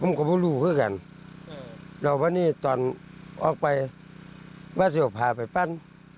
มึงก็ไม่รู้เค้ากันแล้วว่านี่ตอนออกไปว่าจะพาไปปั้น